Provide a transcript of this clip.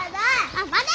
あっ待て！